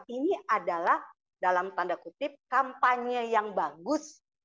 ini adalah dalam tanda kutip kampanye yang bagus